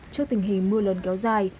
trước tình hình mưa lớn kéo dài